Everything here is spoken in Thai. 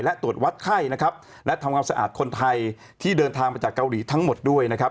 และตรวจวัดไข้นะครับและทำความสะอาดคนไทยที่เดินทางมาจากเกาหลีทั้งหมดด้วยนะครับ